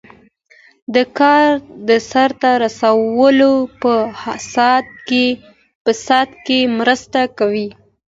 د کار د سرته رسیدو په سرعت کې مرسته کوي.